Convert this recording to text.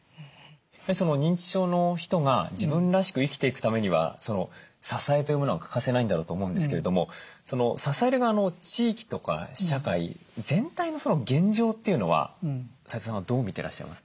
認知症の人が自分らしく生きていくためには支えというものが欠かせないんだろうと思うんですけれども支える側の地域とか社会全体の現状というのは齋藤さんはどう見てらっしゃいますか？